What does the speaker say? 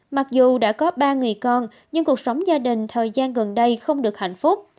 mặc dù đã có ba người con nhưng cuộc sống gia đình thời gian gần đây không được hạnh phúc